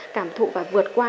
cảm thụ và vượt qua